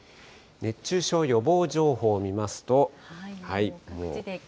熱中症予防情報見ますと。